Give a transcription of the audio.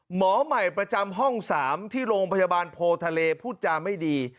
หมอใหม่ประจำห้อง๓ที่โรงพยาบาลโพทะเลพูดจาไม่ดี